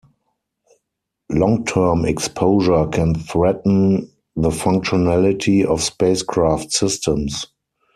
Long term exposure can threaten the functionality of spacecraft systems.